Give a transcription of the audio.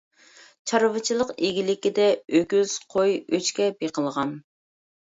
چارۋىچىلىق ئىگىلىكىدە ئۆكۈز، قوي، ئۆچكە بېقىلغان.